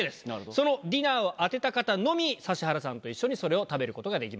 そのディナーを当てた方のみ指原さんと一緒にそれを食べることができます。